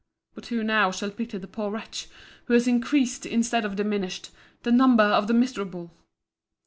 —But who now shall pity the poor wretch, who has increased, instead of diminished, the number of the miserable!